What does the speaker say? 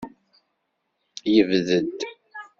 Yebded.